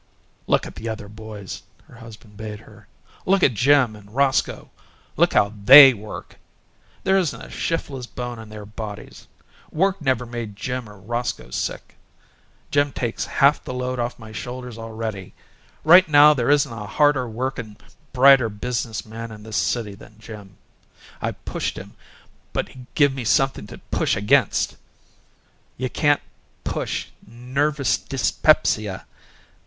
"Look at the other boys," her husband bade her. "Look at Jim and Roscoe. Look at how THEY work! There isn't a shiftless bone in their bodies. Work never made Jim or Roscoe sick. Jim takes half the load off my shoulders already. Right now there isn't a harder workin', brighter business man in this city than Jim. I've pushed him, but he give me something to push AGAINST. You can't push 'nervous dyspepsia'!